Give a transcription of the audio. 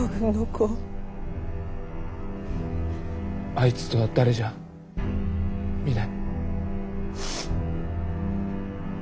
あいつとは誰じゃ御台？